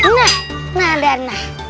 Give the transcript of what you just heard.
nah nah dan nah